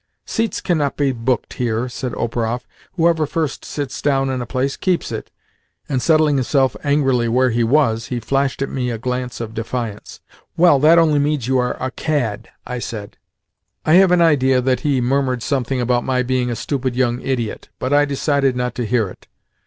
"Seats cannot be booked here," said Operoff. "Whoever first sits down in a place keeps it," and, settling himself angrily where he was, he flashed at me a glance of defiance. "Well, that only means that you are a cad," I said. I have an idea that he murmured something about my being "a stupid young idiot," but I decided not to hear it.